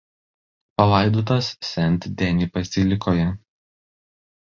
Palaidotas Sent Deni bazilikoje.